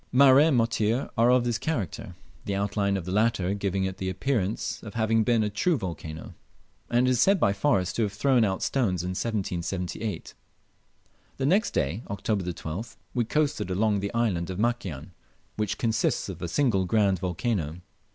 Mareh and Motir are of this character, the outline of the latter giving it the appearance of having been a true volcano, and it is said by Forrest to have thrown out stones in 1778. The next day (Oct. 12th), we coasted along the island of Makian, which consists of a single grand volcano.